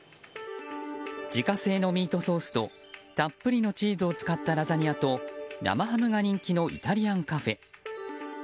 自家製のミートソースとたっぷりのチーズを使ったラザニアと生ハムが人気のイタリアンカフェ。